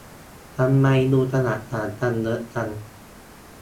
ทำไมดูฉลาดต่างกันเยอะจัง